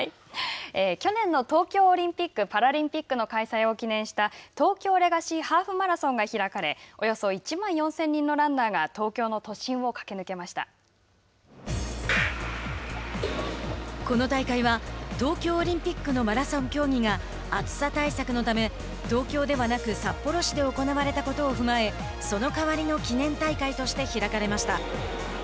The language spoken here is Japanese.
去年の東京オリンピック・パラリンピックの開催を記念した東京レガシーハーフマラソンが開かれおよそ１万４０００人のランナーがこの大会は東京オリンピックのマラソン競技が暑さ対策のため、東京ではなく札幌で行われたことを踏まえそのかわりの記念大会として開かれました。